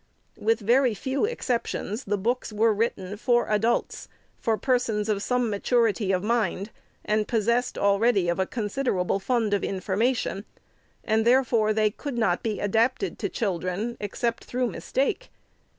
With very few exceptions, the books were written for adults, for persons of some maturity of mind, and pos sessed, already, of a considerable fund of information ; and, therefore, they could not be adapted to children, except through mistake.